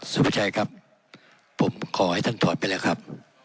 ประชัยครับผมขอให้ท่านถอดไปแล้วครับ